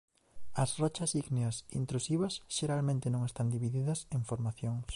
As rochas ígneas intrusivas xeralmente non están divididas en formacións.